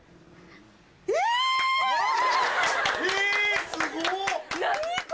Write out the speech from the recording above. えっすごっ！